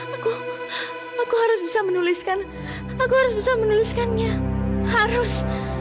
aku aku harus bisa menuliskan aku harus bisa menuliskannya harus